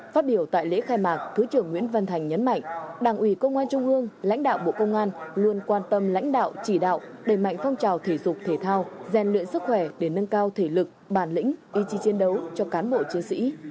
phát biểu tại lễ khai mạc thứ trưởng nguyễn văn thành nhấn mạnh đảng ủy công an trung ương lãnh đạo bộ công an luôn quan tâm lãnh đạo chỉ đạo đẩy mạnh phong trào thể dục thể thao rèn luyện sức khỏe để nâng cao thể lực bản lĩnh ý chí chiến đấu cho cán bộ chiến sĩ